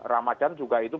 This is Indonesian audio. ramadan juga itu